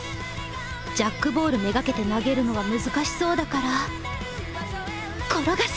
ジャックボール目がけて投げるのは難しそうだから転がす！